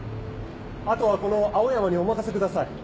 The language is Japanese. あとはこの青山にお任せください。